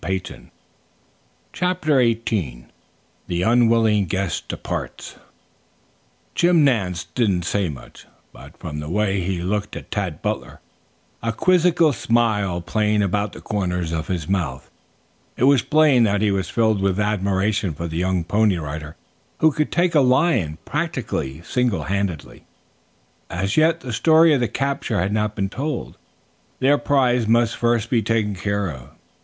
Who o o pe e e!"_ CHAPTER XVIII THE UNWILLING GUEST DEPARTS Jim Nance didn't say much, but from the way he looked at Tad Butler, a quizzical smile playing about the corners of his mouth, it was plain that he was filled with admiration for the young Pony Rider who could take a lion practically single handed. As yet the story of the capture had not been told. Their prize must first be taken care of.